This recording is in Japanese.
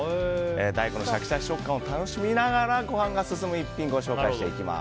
大根のシャキシャキ食感を楽しみながらご飯が進む一品紹介していきます。